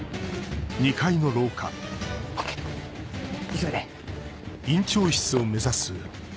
急いで。